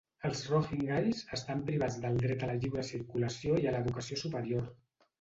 Els rohingyes estan privats del dret a la lliure circulació i a l'educació superior.